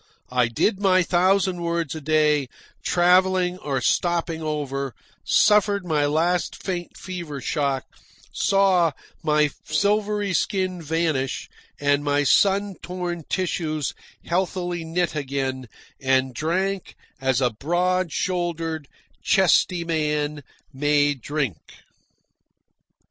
I did my thousand words a day, travelling or stopping over, suffered my last faint fever shock, saw my silvery skin vanish and my sun torn tissues healthily knit again, and drank as a broad shouldered chesty man may drink.